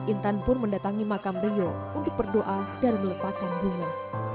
intan pun mendatangi makam rio untuk berdoa dan meletakkan bunga